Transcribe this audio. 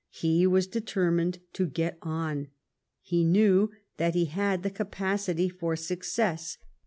He was determined to get on. He knew that he had the capacity for success.